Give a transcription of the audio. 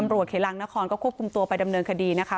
เขลังนครก็ควบคุมตัวไปดำเนินคดีนะคะ